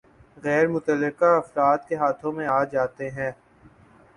غیر متعلق افراد کے ہاتھوں میں آجاتے ہیں